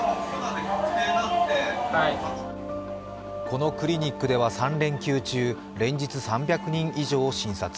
このクリニックでは３連休中連日、３００人以上を診察。